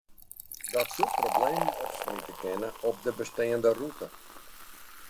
Dat soe problemen opsmite kinne op de besteande rûte.